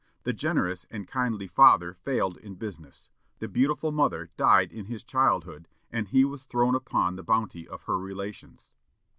The generous and kindly father failed in business; the beautiful mother died in his childhood, and he was thrown upon the bounty of her relations.